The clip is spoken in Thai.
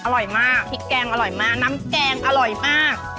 อร่อยมากพริกแกงอร่อยมากน้ำแกงอร่อยมาก